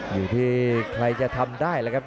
อยู่ที่ใครจะทำได้แล้วครับ